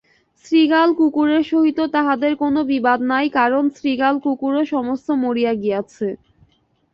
শৃগাল-কুকুরের সহিত তাহাদের কোনো বিবাদ নাই, কারণ শৃগাল-কুকুরও সমস্ত মরিয়া গিয়াছে।